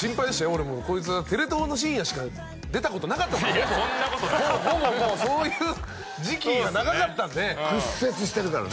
俺もこいつはテレ東の深夜しか出たことなかったからほぼいやいやそんなことないほぼもうそういう時期が長かったんで屈折してるからね